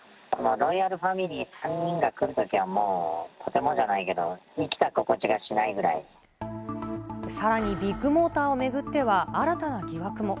ロイヤルファミリー３人が来るときはもう、とてもじゃないけど、さらに、ビッグモーターを巡っては、新たな疑惑も。